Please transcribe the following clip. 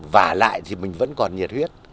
và lại thì mình vẫn còn nhiệt huyết